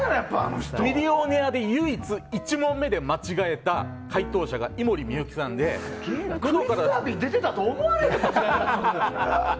「クイズ＄ミリオネア」で唯一、１問目で間違えた解答者が「クイズダービー」出てたと思われへんな。